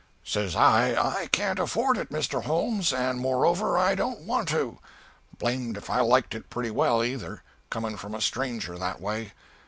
"Says I, 'I can't afford it, Mr. Holmes, and moreover I don't want to.' Blamed if I liked it pretty well, either, coming from a stranger, that way.